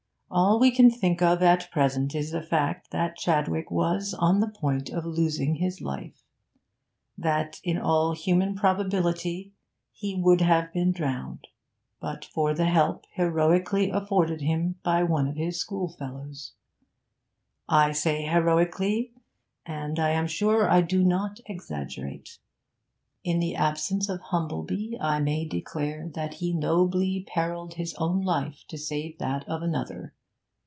All we can think of at present is the fact that Chadwick was on the point of losing his life; that in all human probability he would have been drowned, but for the help heroically afforded him by one of his schoolfellows. I say heroically, and I am sure I do not exaggerate; in the absence of Humplebee I may declare that he nobly perilled his own life to save that of another.